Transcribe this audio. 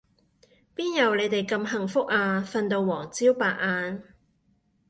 邊有你哋咁幸福啊，瞓到黃朝白晏